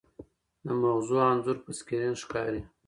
د مغزو انځور په سکرین ښکاري.